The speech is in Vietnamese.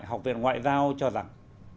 học viện ngoại giao cho rằng